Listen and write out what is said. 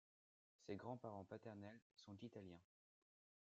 Ses grands-parents paternels sont italiens.